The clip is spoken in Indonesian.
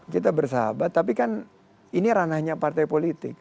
kita bersahabat tapi kan ini ranahnya partai politik